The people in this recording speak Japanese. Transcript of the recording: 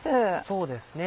そうですね